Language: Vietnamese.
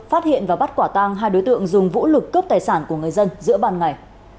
phát hiện và bắt quả tang hai đối tượng dùng vũ lực cướp tài sản của người dân giữa ban ngày